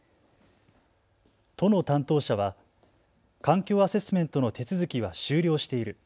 都の担当者は環境アセスメントの手続きは終了している。